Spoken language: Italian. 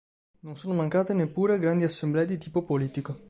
Non sono mancate neppure grandi assemblee di tipo politico.